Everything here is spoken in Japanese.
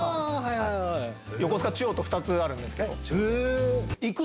横須賀中央と２つあるんですけど。